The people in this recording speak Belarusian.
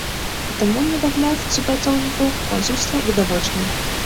І таму недагляд супрацоўнікаў консульства відавочны.